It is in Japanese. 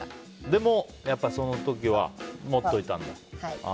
でも、やっぱりその時は持っておいたんだ。